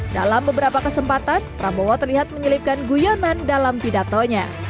dalam beberapa kesempatan prabowo terlihat menyelipkan guyonan dalam pidatonya